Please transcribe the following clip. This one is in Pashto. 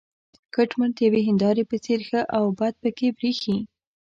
کټ مټ د یوې هینداره په څېر ښه او بد پکې برېښي.